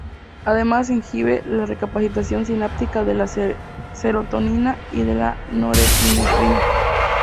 Además inhibe la recaptación sináptica de la serotonina y de la norepinefrina.